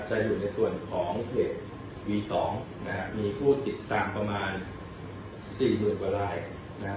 จะอยู่ในส่วนของเพจวี๒นะฮะมีผู้ติดตามประมาณสี่หมื่นกว่ารายนะครับ